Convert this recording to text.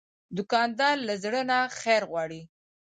دوکاندار له زړه نه خیر غواړي.